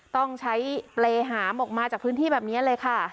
ต้องใช้เปรย์หามออกมาจากพื้นที่แบบนี้เลยค่ะ